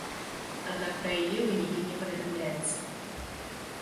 Аднак пра яе вынікі не паведамляецца.